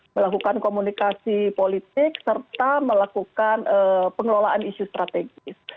melakukan komunikasi politik serta melakukan pengelolaan isu strategis